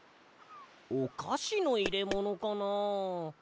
おかしのいれものかな？